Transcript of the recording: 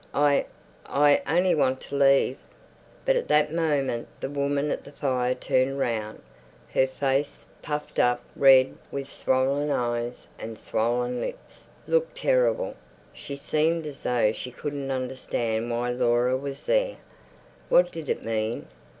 I—I only want to leave—" But at that moment the woman at the fire turned round. Her face, puffed up, red, with swollen eyes and swollen lips, looked terrible. She seemed as though she couldn't understand why Laura was there. What did it mean?